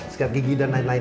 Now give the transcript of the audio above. skate gigi dan lain lain